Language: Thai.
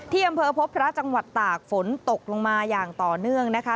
อำเภอพบพระจังหวัดตากฝนตกลงมาอย่างต่อเนื่องนะคะ